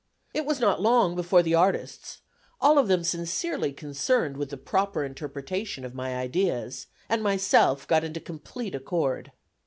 It was not long before the artists, all of them sincerely concerned with the proper interpretation of my ideas, and myself got into complete accord.